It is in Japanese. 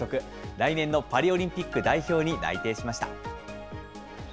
来年のパリオリンピック代表に内定しました。